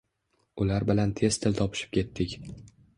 Ular bilan tez til topishib ketdik